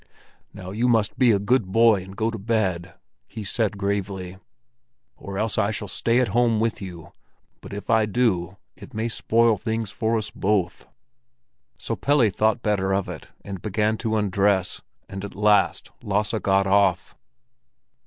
"Now you must be a good boy and go to bed," he said gravely. "Or else I shall stay at home with you; but if I do, it may spoil things for us both." So Pelle thought better of it and began to undress; and at last Lasse got off.